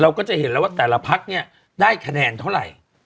ก็จะเห็นแล้วว่าแต่ละพักเนี่ยได้คะแนนเท่าไหร่